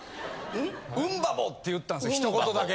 ウンバボって言ったんですひと言だけ。